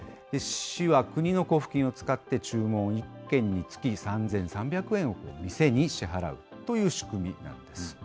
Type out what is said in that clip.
市は国の交付金を使って、注文１件につき３３００円を店に支払うという仕組みなんです。